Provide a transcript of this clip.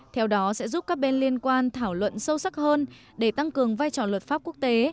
theo đó sẽ giúp các bên liên quan thảo luận sâu sắc hơn để tăng cường vai trò luật pháp quốc tế